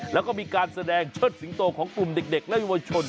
แล้วก็มีการแสดงเชิดสิงโตของกลุ่มเด็กและเยาวชน